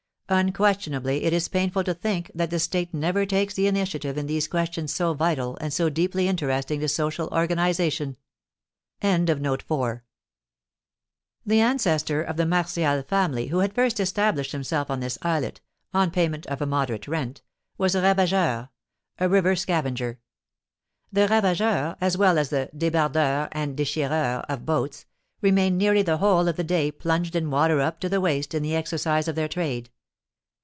Unquestionably it is painful to think that the state never takes the initiative in these questions so vital and so deeply interesting to social organisation. The ancestor of the Martial family who first established himself on this islet, on payment of a moderate rent, was a ravageur (a river scavenger). The ravageurs, as well as the débardeurs and déchireurs of boats, remain nearly the whole of the day plunged in water up to the waist in the exercise of their trade.